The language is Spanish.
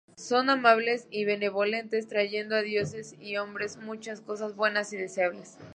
Son amables y benevolentes, trayendo a dioses y hombres muchas cosas buenas y deseables.